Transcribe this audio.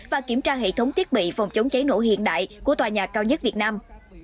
và kiểm tra hệ thống thiết bị phòng chống cháy nổ hiện đại của tòa nhà cao nhất việt nam